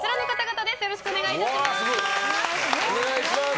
よろしくお願いします。